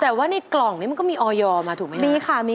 แต่ว่าในกล่องนี่มันก็มีออยอมาถูกไหมฮะมีค่ะ